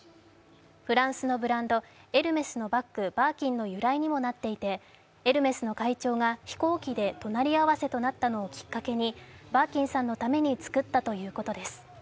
フランスのブランド、エルメスのバッグ、バーキンの由来にもなっていてエルメスの会長が飛行機で隣り合わせとなったのをきっかけにバーキンさんのために作ったということです。